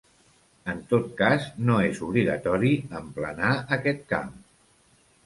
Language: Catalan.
En tot cas no és obligatori emplenar aquest camp.